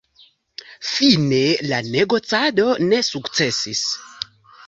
Fine la negocado ne sukcesis.